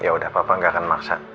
ya udah papa nggak akan maksa